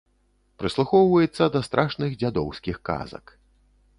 Прыслухоўваецца да страшных дзядоўскіх казак.